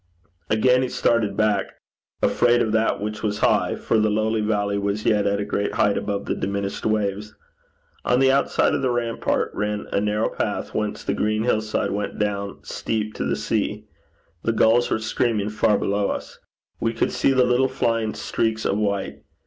Again he started back, 'afraid of that which was high,' for the lowly valley was yet at a great height above the diminished waves. On the outside of the rampart ran a narrow path whence the green hill side went down steep to the sea. The gulls were screaming far below us; we could see the little flying streaks of white.